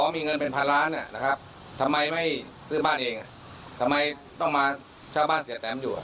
ไม่ซื้อบ้านเองทำไมต้องมาเช่าบ้านเสียแตมอยู่